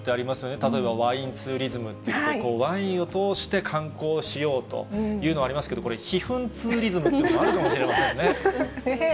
例えばワインツーリズムっていって、ワインを通して観光をしようというのがありますけど、これ、避粉ツーリズムっていうのもあるかもしれませんね。